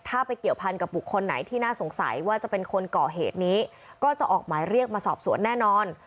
ถ้าไปเกี่ยวพันกับบุคคลไหนที่น่าสงสัยว่าจะเป็นคนก่อเหตุนี้ก็จะออกหมายเรียกมาสอบสวนแน่นอน